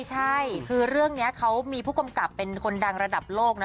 ใช่คือเรื่องนี้เขามีผู้กำกับเป็นคนดังระดับโลกนะ